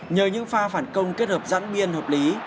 nhờ những pha phản công kết hợp giãn biên hợp lý